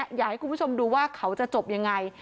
อยากให้คุณผู้ชมดูว่าเขาจะจบยังไง